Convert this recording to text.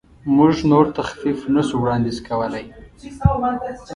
موږ نور تخفیف نشو وړاندیز کولی.